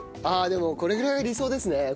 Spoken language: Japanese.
ああでもこれぐらいが理想ですね。